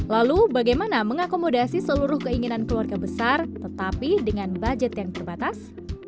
lalu bagaimana mengakomodasi seluruh keinginan keluarga besar tetapi dengan budget yang terbatas